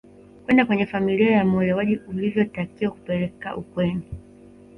kwenda kwenye familia ya muolewaji ulivyotakiwa kupeleka ukweni